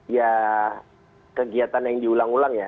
ya kegiatan yang diulang ulang ya